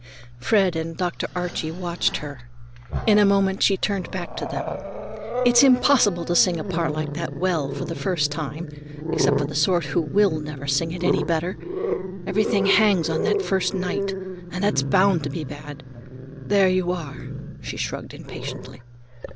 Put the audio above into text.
Fred and Dr. Archie watched her. In a moment she turned back to them. "It's impossible to sing a part like that well for the first time, except for the sort who will never sing it any better. Everything hangs on that first night, and that's bound to be bad. There you are," she shrugged impatiently.